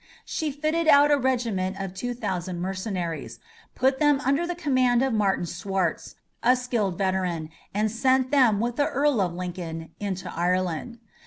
She fitted out a regiment of two thousand mercenaries, put them under the command of Martin Swartz, a skilled veteran, and sent them with the Earl of Lincoln into Ireland.